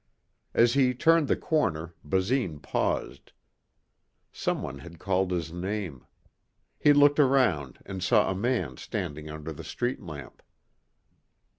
As he turned the corner, Basine paused. Someone had called his name. He looked around and saw a man standing under the street lamp.